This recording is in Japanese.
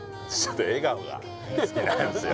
笑顔が好きなんすよ